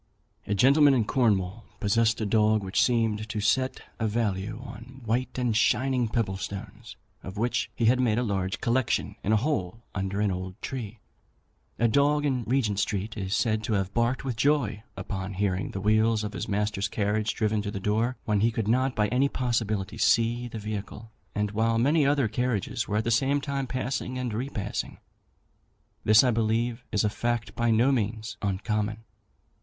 A gentleman in Cornwall possessed a dog, which seemed to set a value on white and shining pebble stones, of which he had made a large collection in a hole under an old tree. A dog in Regent Street is said to have barked with joy on hearing the wheels of his master's carriage driven to the door, when he could not by any possibility see the vehicle, and while many other carriages were at the time passing and repassing. This, I believe, is a fact by no means uncommon.